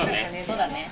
そうだね。